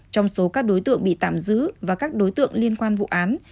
trong số các đối tượng bị tạm giữ và các đối tượng liên quan vụ án